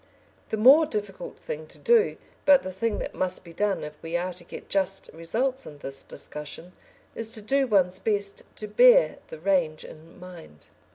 The more difficult thing to do, but the thing that must be done if we are to get just results in this discussion, is to do one's best to bear the range in mind.